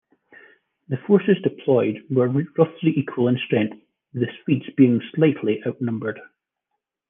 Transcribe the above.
The forces deployed were roughly equal in strength with the Swedes being slightly outnumbered.